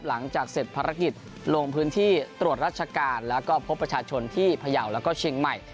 หลังจากเสร็จภารกิจลงพื้นที่ตรวจราชการแล้วก็พบประชาชนที่พยาวแล้วก็เชียงใหม่